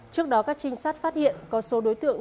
trước đó các trinh sát phát hiện có số đối tượng